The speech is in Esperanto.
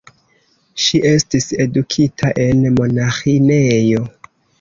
Ŝi estis edukita en monaĥinejo.